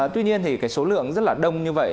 tuy nhiên thì cái số lượng rất là đông như vậy